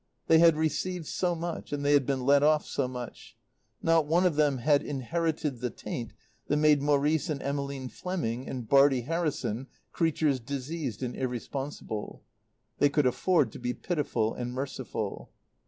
They had received so much, and they had been let off so much; not one of them had inherited the taint that made Maurice and Emmeline Fleming and Bartie Harrison creatures diseased and irresponsible. They could afford to be pitiful and merciful.